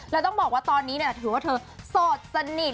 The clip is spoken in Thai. แล้วต้องบอกว่าตอนนี้ถือว่าเธอโสดสนิท